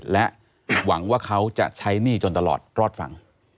และหวังว่าเขาจะใช้หนี้จนตลอดรอดฟัง